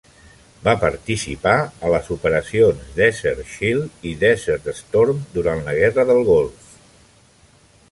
Va participar a les operacions Desert Shield i Desert Storm durant la Guerra del Golf.